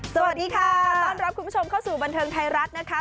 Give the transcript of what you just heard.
สวัสดีค่ะต้อนรับคุณผู้ชมเข้าสู่บันเทิงไทยรัฐนะคะ